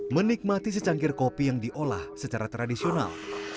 menikmati secangkir kopi yang diolah secara tradisional